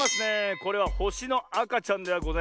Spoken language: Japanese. これはほしのあかちゃんではございませんよ。